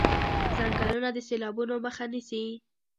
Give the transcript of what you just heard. ځنګلونه د سېلابونو مخه نيسي.